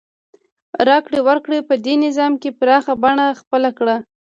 راکړې ورکړې په دې نظام کې پراخه بڼه خپله کړه.